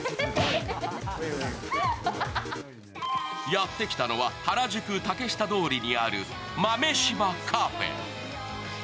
やってきたのは、原宿・竹下通りにある豆柴カフェ。